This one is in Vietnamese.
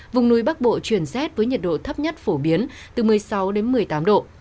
vùng núi bắc bộ chuyển rét với nhiệt độ thấp nhất phổ biến từ một mươi sáu đến một mươi tám độ